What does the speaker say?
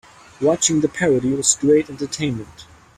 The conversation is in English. Watching the parody was great entertainment.